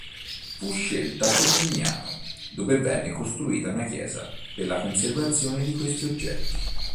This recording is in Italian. Fu scelta Putignano, dove venne costruita un chiesa per la conservazione di questi oggetti.